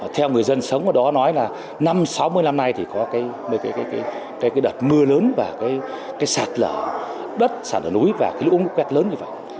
theo người dân sống ở đó nói là năm sáu mươi năm nay thì có cái đợt mưa lớn và cái sạt lở đất sạt lở núi và cái lũ quét lớn như vậy